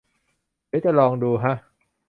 เดี๋ยวจะลองดูฮะ